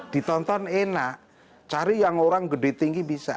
ditonton enak cari yang orang gede tinggi bisa